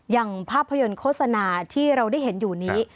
อย่างภาพยนตร์โฆษณาที่เราได้เห็นอยู่นี้